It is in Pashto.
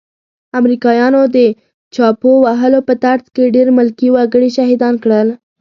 امريکايانو د چاپو وهلو په ترڅ کې ډير ملکي وګړي شهيدان کړل.